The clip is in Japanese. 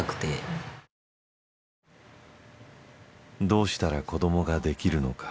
どうしたら子どもができるのか。